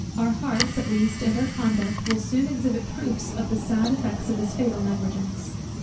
Our hearts at least and our conduct will soon exhibit proofs of the sad effects of this fatal negligence.